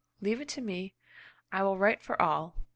Leave it to me: I will write for all.